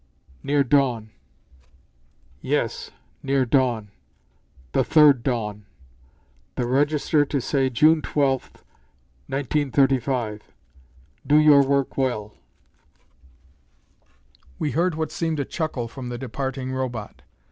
"Near dawn." "Yes; near dawn. The third dawn; the register to say June 12, 1935. Do your work well." We heard what seemed a chuckle from the departing Robot.